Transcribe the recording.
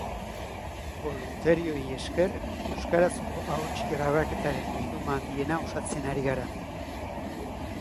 Boluntarioei esker euskarazko ahots grabaketen bilduma handiena osatzen ari gara.